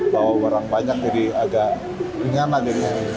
bawa barang banyak jadi agak ringan lah jadinya